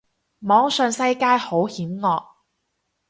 網上世界好險惡